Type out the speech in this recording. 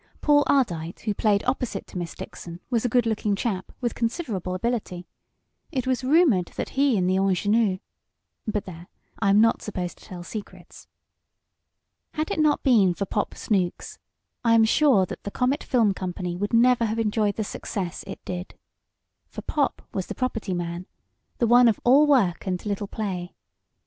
Paul Ardite, who played opposite to Miss Dixon, was a good looking chap, with considerable ability. It was rumored that he and the ingenue but there, I am not supposed to tell secrets. Had it not been for "Pop" Snooks, I am sure the Comet Film Company would never have enjoyed the success it did. For Pop was the property man the one of all work and little play.